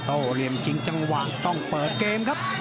โอ้ก้เรียมจิงเจ๋งหวามต้องเปิดเก็มครับ